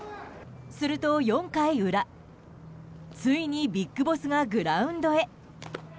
すると４回裏ついにビッグボスがグラウンドへ。